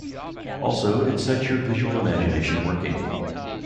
Also, it sets your visual imagination working.